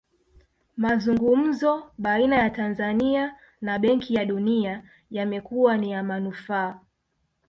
Mazungumzo baina ya Tanzania na benki ya dunia yamekuwa ni ya manufaa